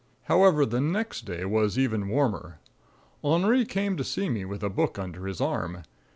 However the next day was even warmer. Henri came to see me with a book under his arm.